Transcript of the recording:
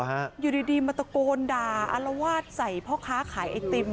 น่ากลัวไหมล่ะคะอยู่ดีมัตตโกนดาเอาละวาดใส่เพาะค้าขายไอติม